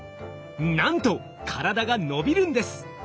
なんと体が伸びるんです！